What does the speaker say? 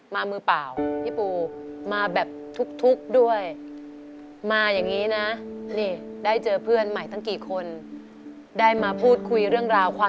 มามือเปล่า